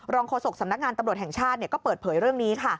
โฆษกสำนักงานตำรวจแห่งชาติก็เปิดเผยเรื่องนี้ค่ะ